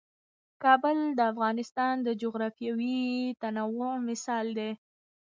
کابل د افغانستان د جغرافیوي تنوع مثال دی.